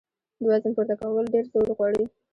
د وزن پورته کول ډېر زور غواړي.